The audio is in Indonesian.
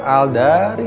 elle jadi berubah